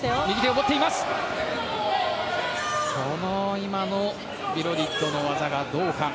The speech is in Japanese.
今のビロディッドの技がどうか。